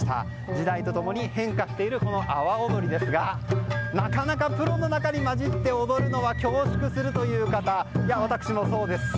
時代と共に変化している阿波踊りですがなかなかプロの中に交じって踊るのは恐縮するという方、私もそうです。